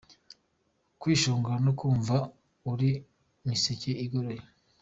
Kwishongora no kumva uri miseke igoroye.